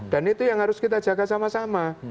dan itu yang harus kita jaga sama sama